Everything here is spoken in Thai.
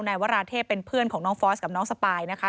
นายวราเทพเป็นเพื่อนของน้องฟอสกับน้องสปายนะคะ